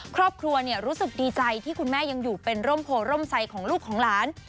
ครอบครัวรู้สึกดีใจที่คุณแม่ยังอยู่เป็นร่มโพร่มใสของลูกของหลาน